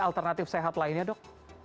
alternatif sehat lainnya dok